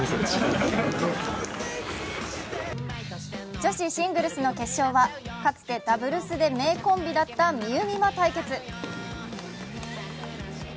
女子シングルスの決勝はかつてダブルスで名コンビだったみうみま対決。